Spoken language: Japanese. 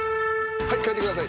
はい描いてください。